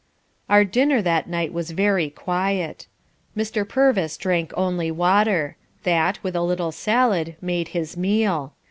Our dinner that night was very quiet. Mr. Purvis drank only water. That, with a little salad, made his meal.